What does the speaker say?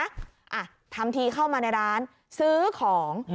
อ่ะทำทีเข้ามาในร้านซื้อของ